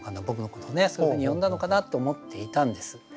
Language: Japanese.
そういうふうに呼んだのかなって思っていたんです。